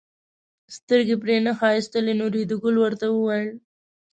سترګې پرې نه ښایستلې نو ریډي ګل ورته وویل.